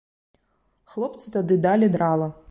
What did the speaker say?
Хлопцы тады далі драла.